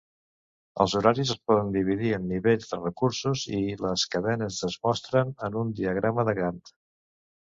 Els horaris es poden dividir en nivells de recursos, i les cadenes es mostren en un diagrama de Gantt.